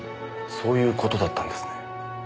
そういう事だったんですね。